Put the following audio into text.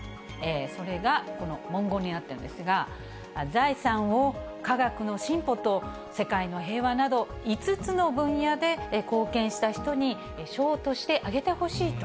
それがこの文言になってるんですが、財産を科学の進歩と、世界の平和など、５つの分野で貢献した人に、賞としてあげてほしいと。